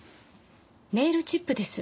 ネイルチップです。